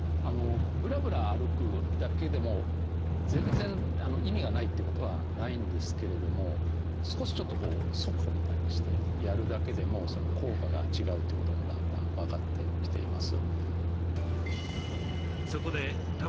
ブラブラ歩くだけでも全然意味がないということはないんですけれども少しちょっと速歩みたいにしてやるだけでも効果が違うということもだんだん分かってきています。